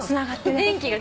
電気が。